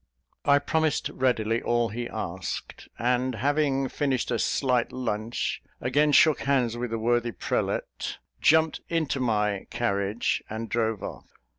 I promised readily all he asked; and having finished a slight lunch, again shook hands with the worthy prelate, jumped into my carriage, and drove off.